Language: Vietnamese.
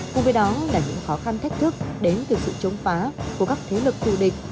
cùng với đó là những khó khăn thách thức đến từ sự chống phá của các thế lực thù địch